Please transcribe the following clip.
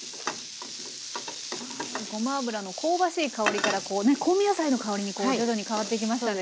ごま油の香ばしい香りから香味野菜の香りに徐々に変わっていきましたね